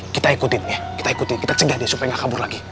kita ikutin ya kita ikutin kita cegah dia supaya gak kabur lagi